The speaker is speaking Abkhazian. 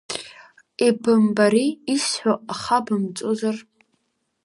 Ибымбари, исҳәо ахабымҵозар!